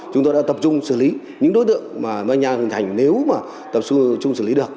chúng tôi đã tập trung xử lý những đối tượng mà manh nha hình thành nếu mà tập trung xử lý được